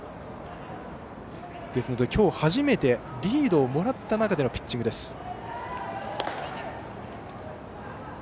ですので今日初めてリードをもらった中でのピッチングです。